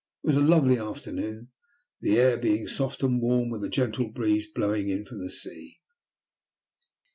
It was a lovely afternoon, the air being soft and warm, with a gentle breeze blowing in from the sea.